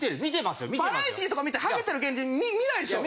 バラエティーとか見てハゲてる芸人見ないでしょ？